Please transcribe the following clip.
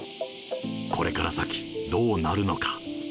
これから先、どうなるのか。